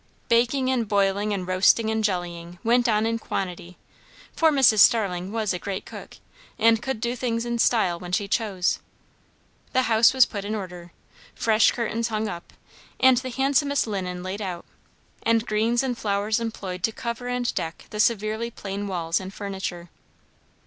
Baking and boiling and roasting and jellying went on in quantity, for Mrs. Starling was a great cook, and could do things in style when she chose. The house was put in order; fresh curtains hung up, and the handsomest linen laid out, and greens and flowers employed to cover and deck the severely plain walls and furniture.